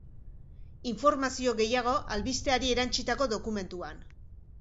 Informazio gehiago, albisteari erantsitako dokumentuan.